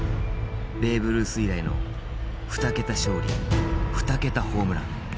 ベーブ・ルース以来の２桁勝利２桁ホームラン。